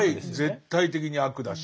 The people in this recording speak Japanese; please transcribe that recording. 絶対的に悪だし。